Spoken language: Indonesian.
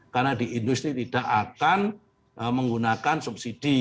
karena di industri tidak akan menggunakan subsidi